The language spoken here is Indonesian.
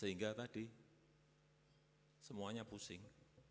sehingga tadi semuanya pusing